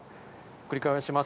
繰り返します。